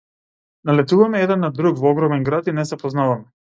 Налетуваме еден на друг во огромен град и не се познаваме.